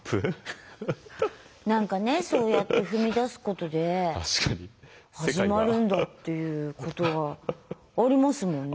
何かねそうやって踏み出すことで始まるんだっていうことはありますもんね